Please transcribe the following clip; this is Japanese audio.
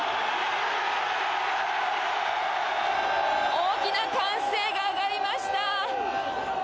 大きな歓声が上がりました。